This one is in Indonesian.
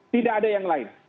tidak ada yang lain